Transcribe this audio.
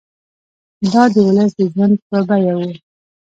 دا د ولس د ژوند په بیه وو.